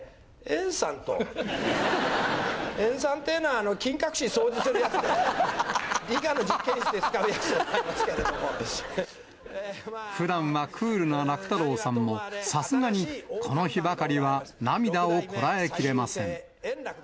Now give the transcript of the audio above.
えんさんっていうのは、ふだんはクールな楽太郎さんも、さすがにこの日ばかりは涙をこらえきれません。